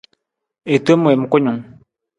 I tom wiim kunung.